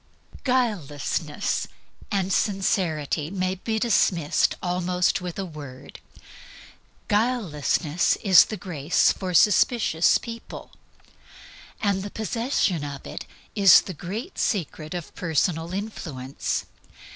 _ Guilelessness and Sincerity may be dismissed almost without a word. Guilelessness is the grace for suspicious people. The possession of it is THE GREAT SECRET OF PERSONAL INFLUENCE.